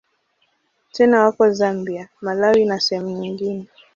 Tena wako Zambia, Malawi na sehemu nyingine.